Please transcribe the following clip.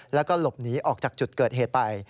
แล้วก็หลบหนีออกจากจุดเกิดเหตุไป